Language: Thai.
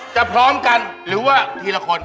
พร้อมกันหรือว่าทีละคน